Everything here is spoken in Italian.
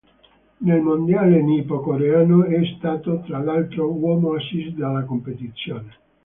Nel mondiale nippo-coreano è stato, tra l'altro, uomo-assist della competizione.